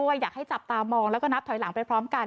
อยากให้จับตามองแล้วก็นับถอยหลังไปพร้อมกัน